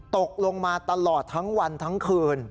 ตกลงมาตลอดทั้งวันทั้งคืน